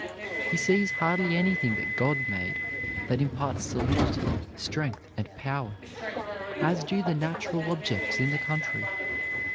He sees hardly anything that God made, that imparts solidity, strength and power, as do the natural objects in the country.